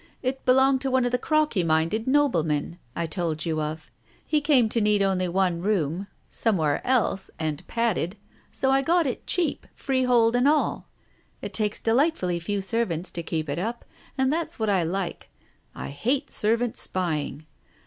It belonged to one of the crocky minded noblemen I told you of ; he came to need only one room — somewhere else and padded — so I got it cheap, freehold and all. It takes delightfully few servants to keep it up, and that's what I like. I hate servants spying.